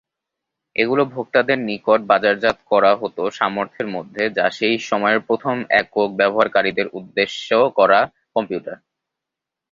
এগুলো ভোক্তাদের নিকট বাজারজাত করা হত সামর্থ্যের মধ্যে যা সেই সময়ের প্রথম একক ব্যবহারকারীদের উদ্দেশ্য করা কম্পিউটার।